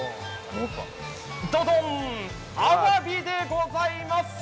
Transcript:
ドドン、あわびでございます！